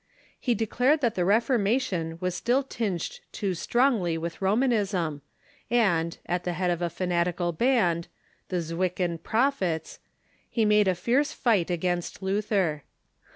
He declared that the Reformation was still tinged too strongly with Romanism, and, at the head of a fanatical band, the Zwickau Prophets, he made a fierce fight against Luther.